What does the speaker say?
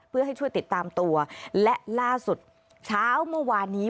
เพื่อให้ช่วยติดตามตัวและล่าสุดเช้าเมื่อวานนี้